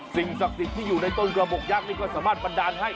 สิ่งศักดิ์สิทธิ์ที่อยู่ในต้นกระบบยักษ์นี่ก็สามารถบันดาลให้